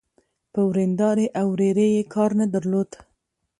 په وريندارې او ورېرې يې کار نه درلود.